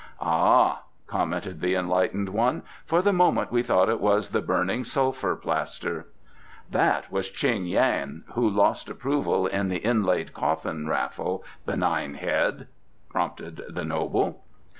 "Ah," commented the Enlightened One, "for the moment we thought it was the burning sulphur plaster." "That was Ching Yan, who lost approval in the inlaid coffin raffle, Benign Head," prompted the noble.